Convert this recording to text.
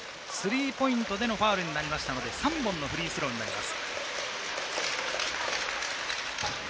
スリーポイントでのファウルになりましたので、３本のフリースローになります。